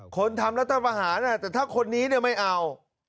คนทำรัฐประหารแต่ถ้าคนนี้ไม่เอา